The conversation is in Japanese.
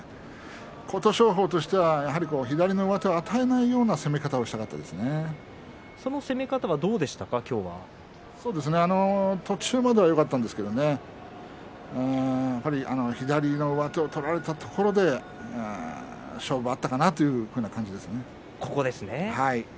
琴勝峰としては左の上手を与えないようなその攻め方は途中までよかったんですが左の上手を取られたところで勝負あったかなというふうな感じですね。